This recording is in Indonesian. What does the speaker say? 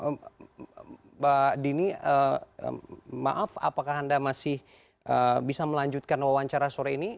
mbak dini maaf apakah anda masih bisa melanjutkan wawancara sore ini